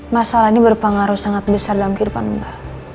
masalah ini berpengaruh sangat besar dalam kehidupan mbak